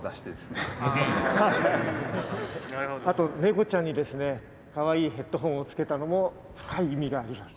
あとネコちゃんにですねかわいいヘッドホンをつけたのも深い意味があります。